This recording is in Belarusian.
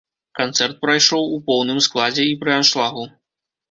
Канцэрт прайшоў у поўным складзе і пры аншлагу.